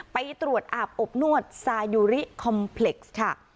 ไปตรวจอาบอบนวดซายุริคอมเพล็กซ์ค่ะ